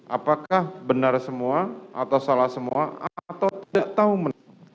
apakah benar semua atau salah semua atau tidak tahu menang